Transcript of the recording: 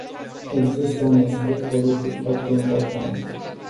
Există un aspect politic foarte important.